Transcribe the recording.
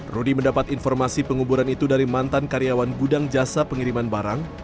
rudy mendapat informasi penguburan itu dari mantan karyawan gudang jasa pengiriman barang